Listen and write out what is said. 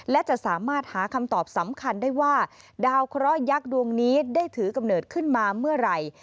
และจะสามารถหาคำตอบสำคัญได้ว่าดาวเคราะห์ยักษ์ดวงนี้ได้ถือกำเนิดขึ้นมาเมื่อไหร่